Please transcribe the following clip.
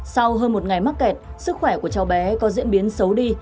sau hơn một ngày mắc kẹt sức khỏe của cháu bé có diễn biến xấu đi